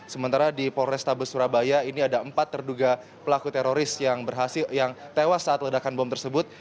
sementara di polrestabes surabaya ini ada empat terduga pelaku teroris yang tewas saat ledakan bom tersebut